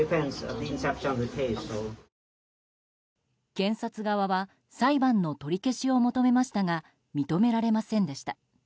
検察側は裁判の取り消しを求めましたが認められませんでした。